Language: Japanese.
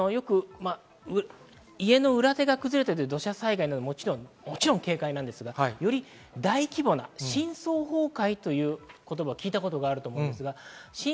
家の裏手が崩れて土砂災害になるのはもちろん警戒ですが、より大規模な深層崩壊という言葉、聞いたことがあると思います。